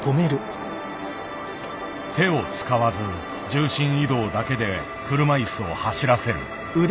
手を使わず重心移動だけで車いすを走らせる。